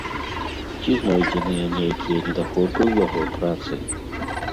Ці знойдзеныя нейкія недахопы ў яго працы?